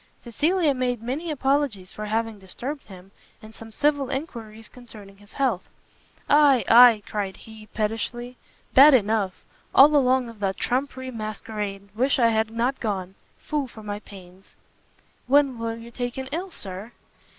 Cecilia made many apologies for having disturbed him, and some civil enquiries concerning his health. "Ay, ay," cried he, pettishly, "bad enough: all along of that trumpery masquerade; wish I had not gone! Fool for my pains." "When were you taken ill, Sir?"